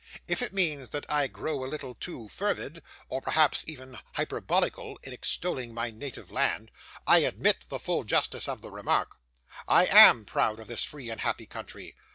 If it means that I grow a little too fervid, or perhaps even hyperbolical, in extolling my native land, I admit the full justice of the remark. I AM proud of this free and happy country.